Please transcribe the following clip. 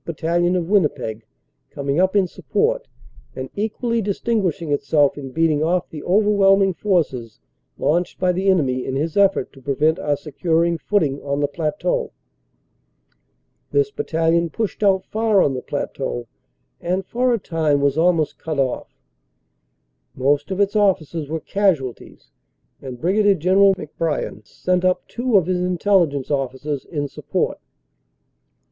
Battalion, of Winnipeg, coming up in support and equally distinguishing itself in beating off the overwhelming forces launched by the enemy in his effort to prevent our securing footing on the plateau. This battalion pushed out far on the plateau and for a time was almost cut off. Most of its officers were casualties and Brig. General McBrien sent up two of his Intelligence officers in support.